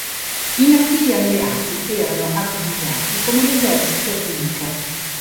I nativi alleati erano abbigliati come l'esercito Inca.